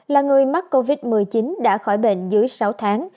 là người mắc covid một mươi chín đã khỏi bệnh dưới sáu tháng